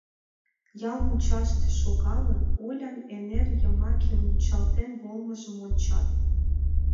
Ял мучаште шогалын, Олян эҥер йымаке мунчалтен волымыжым ончат.